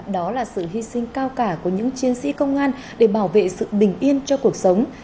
đó là sự hy sinh cao cả của những chiến sĩ công an để bảo vệ sự bình yên cho cuộc sống